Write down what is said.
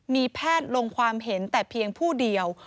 มีแพทย์ลงความเห็นแต่เพียงผู้เดียว